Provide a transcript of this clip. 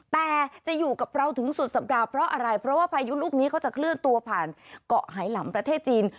แต่จะอยู่กับเราถึงสุดสัปดาห์เพราะอะไรเพราะว่าพายุลูกนี้เขาจะเคลื่อนตัวผ่านเกาะไหลำประเทศจีน